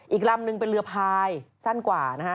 อีกลำนึงเป็นเรือพายสั้นกว่า